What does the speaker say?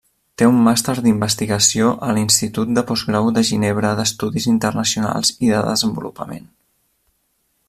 Té un màster d'Investigació a l'Institut de Postgrau de Ginebra d'Estudis Internacionals i de Desenvolupament.